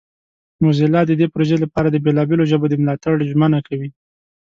موزیلا د دې پروژې لپاره د بیلابیلو ژبو د ملاتړ ژمنه کوي.